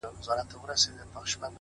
ما پر اوو دنياوو وسپارئ _ خبر نه وم خو _